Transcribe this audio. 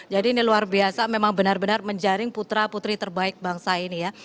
jadi ini luar biasa memang benar benar menjaring putra putri terbaik bangsa ini ya